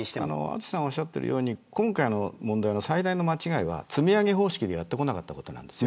淳さんがおっしゃってるように今回の最大の間違いが積み上げ方式でやってこなかったことなんです。